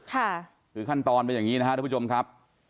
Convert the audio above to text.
ค่ะคือขั้นตอนเป็นอย่างนี้นะครับทุกผู้ชมครับ